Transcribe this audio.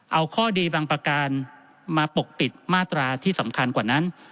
เอาข้อดีบางประการมาปกปิดมาตราที่สำคัญกว่านั้น